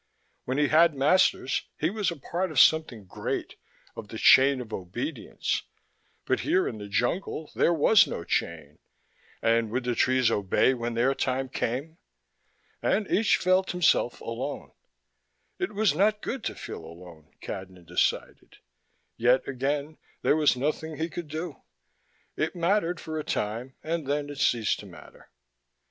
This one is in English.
When he had masters, he was a part of something great, of the chain of obedience. But here, in the jungle, there was no chain (and would the trees obey when their time came?) and each felt himself alone. It was not good to feel alone, Cadnan decided; yet, again, there was nothing he could do. It mattered for a time, and then it ceased to matter.